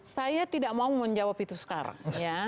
saya tidak mau menjawab itu sekarang ya